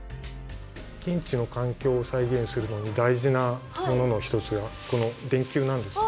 現地の環境を再現するのに大事なものの一つがこの電球なんです。